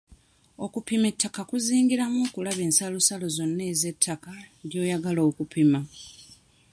Okupima ettaka kuzingiramu okulaba ensalosalo zonna ez'ettaka ly'oyagala okupima.